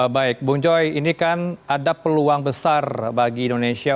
baik bung joy ini kan ada peluang besar bagi indonesia